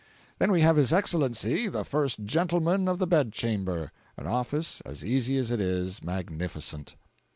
Then we have his Excellency the First Gentleman of the Bed chamber—an office as easy as it is magnificent.